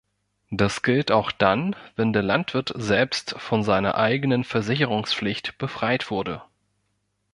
Das gilt auch dann, wenn der Landwirt selbst von seiner eigenen Versicherungspflicht befreit wurde.